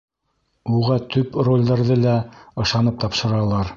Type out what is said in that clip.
Уға төп ролдәрҙе лә ышанып тапшыралар.